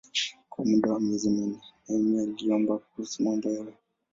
Kwa muda wa miezi minne Nehemia aliomba kuhusu mambo hayo.